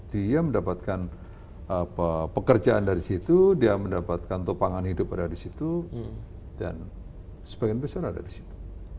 dia mendapatkan pekerjaan dari situ dia mendapatkan topangan hidup ada di situ dan sebagian besar ada di situ